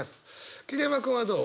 桐山君はどう？